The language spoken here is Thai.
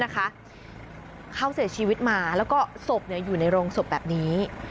เขาเสียชีวิตมาแล้วก็ศพอยู่ในโรงศพแบบนี้